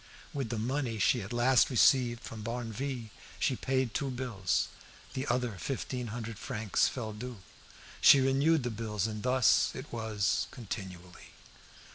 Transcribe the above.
With the money she at last received from Barneville she paid two bills; the other fifteen hundred francs fell due. She renewed the bills, and thus it was continually.